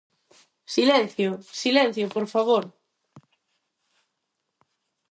¡Silencio!, silencio, por favor.